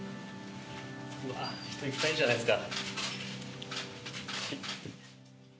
うわ人いっぱいいるじゃないですか。